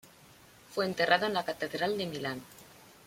Fue enterrado en la catedral de Milán.